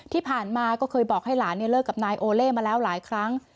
ที่ผ่านมาก็เคยบอกให้หลานเลิกกับนายโอเล่มาแล้วหลายครั้ง